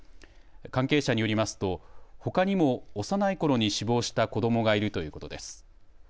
関係者によりますとほかにも幼いころに死亡した子どもがいるということです。